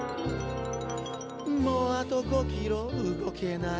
「もうあと５キロ動けない」